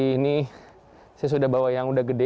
ini saya sudah bawa yang udah gede